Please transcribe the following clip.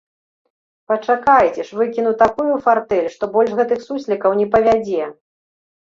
Пачакайце ж, выкіну такую фартэль, што больш гэтых суслікаў не павядзе!